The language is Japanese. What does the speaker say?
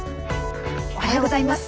おはようございます。